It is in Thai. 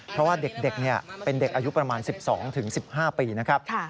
เพราะว่าเด็กเป็นเด็กอายุประมาณ๑๒๑๕ปีนะครับ